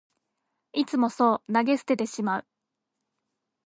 いつもそう投げ捨ててしまう